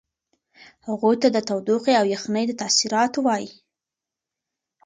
هغوی ته د تودوخې او یخنۍ د تاثیراتو وایئ.